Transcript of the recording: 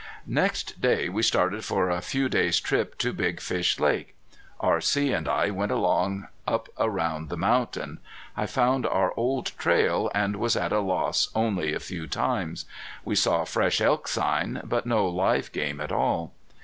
Next day we started for a few days' trip to Big Fish Lake. R.C. and I went along up around the mountain. I found our old trail, and was at a loss only a few times. We saw fresh elk sign, but no live game at all.